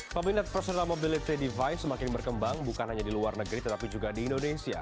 peminat personal mobility device semakin berkembang bukan hanya di luar negeri tetapi juga di indonesia